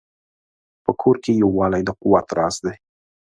په کور کې یووالی د قوت راز دی.